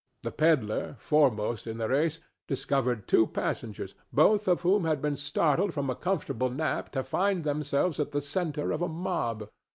The pedler, foremost in the race, discovered two passengers, both of whom had been startled from a comfortable nap to find themselves in the centre of a mob.